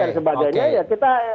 dan sebagainya ya kita